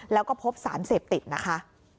แล้วก็พบสารเสพติดนะคะ